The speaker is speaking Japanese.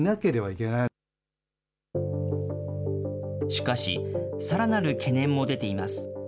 しかし、さらなる懸念も出ています。